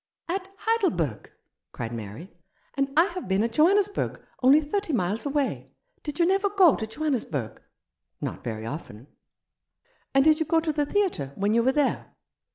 "At Heidelberg?" cried Mary. "And I have been at Johannesburg, only thirty miles away. Did you never go to Johannesburg ?"" Not very often." "And did you go to the theatre when you were there